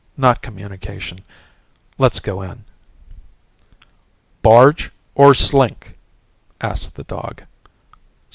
Not communication. Let's go in." "Barge, or slink?" asked the dog.